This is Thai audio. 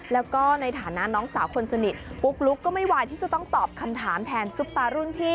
แล้วก็ในฐานะน้องสาวคนสนิทปุ๊กลุ๊กก็ไม่วายที่จะต้องตอบคำถามแทนซุปตารุ่นพี่